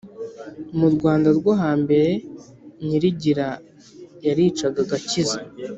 mu rwanda rwo hambere nyirigira yaricaga agakiza